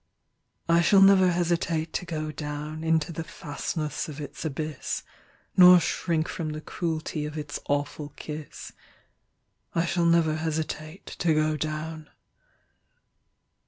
I shall never hesitate to go downInto the fastness of its abyss, Nor shrink from the cruelty of its awful kiss.I shall never hesitate to go down.